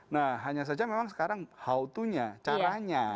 nah hanya saja memang sekarang how to nya caranya